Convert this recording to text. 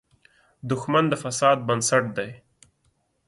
دښمن د فساد بنسټ دی